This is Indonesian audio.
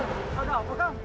tidak ada apa apa kang